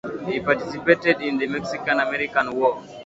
He participated in the Mexican-American War.